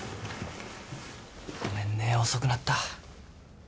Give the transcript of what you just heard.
ごめんね遅くなった。